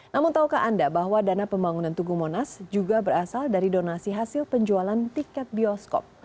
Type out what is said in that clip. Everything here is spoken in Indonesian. namun tahukah anda bahwa dana pembangunan tugu monas juga berasal dari donasi hasil penjualan tiket bioskop